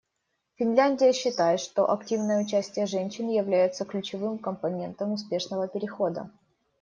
Финляндия считает, что активное участие женщин является ключевым компонентом успешного перехода.